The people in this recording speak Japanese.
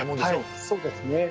はいそうですね。